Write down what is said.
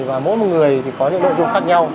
và mỗi một người thì có những nội dung khác nhau